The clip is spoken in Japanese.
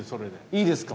いいですか？